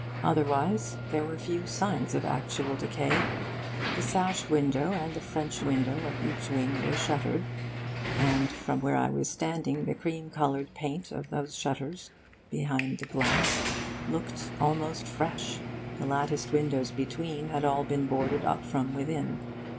Otherwise, there were few signs of actual decay. The sash window and the French window of each wing were shuttered, and, from where I was standing, the cream coloured paint of those shutters behind the glass looked almost fresh. The latticed windows between had all been boarded up from within.